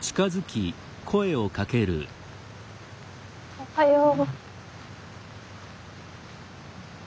おはよう。